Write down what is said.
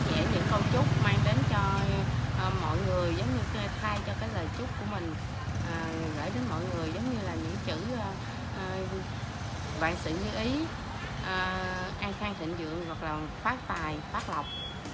mình sẽ dạy những câu chúc mang đến cho mọi người giống như kê thai cho cái lời chúc của mình gửi đến mọi người giống như là những chữ vạn sự như ý an khang thịnh dưỡng hoặc là phát tài phát lọc